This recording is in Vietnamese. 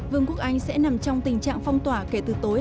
vương quốc anh sẽ nằm trong tình trạng phong tỏa kể từ tối